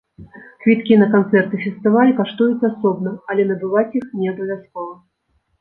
Квіткі на канцэрт і фестываль каштуюць асобна, але набываць іх не абавязкова.